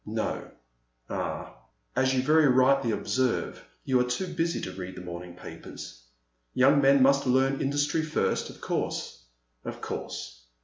No ? Ah, — as you very rightly observe you are too busy to read the morning papers. Young men must learn industry first, of course, of course.